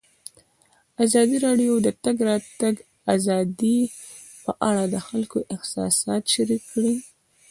ازادي راډیو د د تګ راتګ ازادي په اړه د خلکو احساسات شریک کړي.